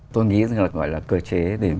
tôi nghĩ là gọi là cơ chế